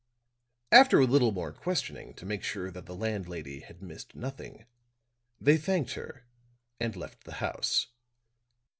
After a little more questioning to make sure that the landlady had missed nothing, they thanked her and left the house.